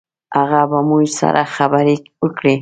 هغه به زموږ سره خبرې وکړي.